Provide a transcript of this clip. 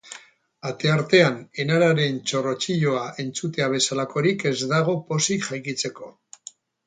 Ateartean enaren txorrotxioa entzutea bezalakorik ez dago pozik jaikitzeko.